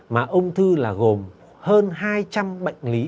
mà ung thư là gồm hơn hai trăm linh bệnh lý